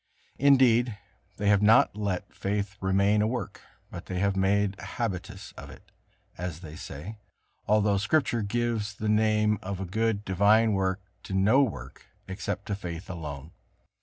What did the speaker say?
Indeed, they have not let faith remain a work, but have made a habitus of it, as they say, although Scripture gives the name of a good, divine work to no work except to faith alone.